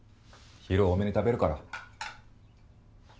昼多めに食べるから。